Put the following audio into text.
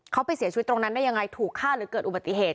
เขาไปเสียชีวิตตรงนั้นได้ยังไงถูกฆ่าหรือเกิดอุบัติเหตุ